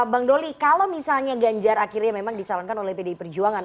bang doli kalau misalnya ganjar akhirnya memang dicalonkan oleh pdi perjuangan